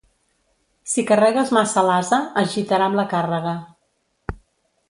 Si carregues massa l'ase, es gitarà amb la càrrega.